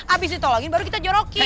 abis ditolongin baru kita jorokin